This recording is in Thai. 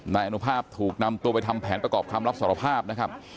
นายอนุภาพถูกนำตัวไปทำแผนประกอบคำรับสารภาพนะครับ